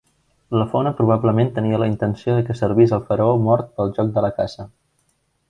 La fona probablement tenia la intenció de que servís al faraó mort pel joc de la caça.